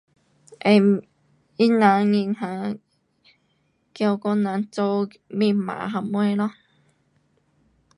um 他人银行，叫我人做密码什么咯